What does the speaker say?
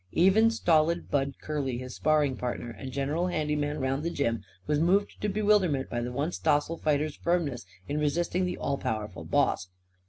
Even stolid Bud Curly, his sparring partner and general handy man round the gym, was moved to bewilderment by the once docile fighter's firmness in resisting the all powerful boss.